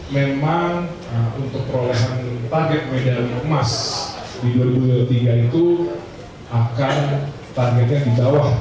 memang untuk perolehan target medali emas di dua ribu dua puluh tiga itu akan targetnya di bawah